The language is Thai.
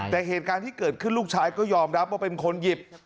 แต่เหตุการณ์ที่เกิดขึ้นลูกชายก็ยอมรับว่าเป็นคนหยิบ